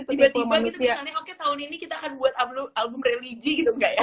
tiba tiba gitu misalnya oke tahun ini kita akan buat album religi gitu enggak ya